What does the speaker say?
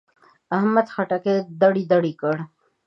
احمد خټکی دړې دړې کړ.